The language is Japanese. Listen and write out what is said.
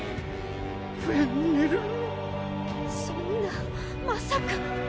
フェンネルそんなまさか！